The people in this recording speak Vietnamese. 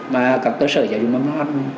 mà các cơ sở giáo dục mầm non